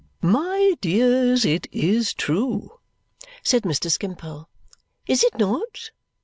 "My dears, it is true," said Mr. Skimpole, "is it not?